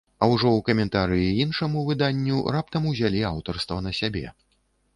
А ўжо ў каментарыі іншаму выданню раптам узялі аўтарства на сабе.